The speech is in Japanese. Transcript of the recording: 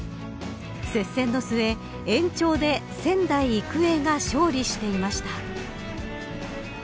接戦の末、延長で仙台育英が勝利していました。